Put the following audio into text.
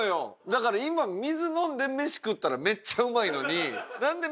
だから今水飲んで飯食ったらめっちゃうまいのに。